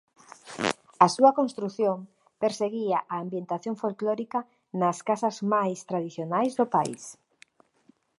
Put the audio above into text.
A súa construción perseguía a ambientación folclórica nas casas máis tradicionais do país.